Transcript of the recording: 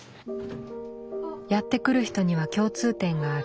やって来る人には共通点がある。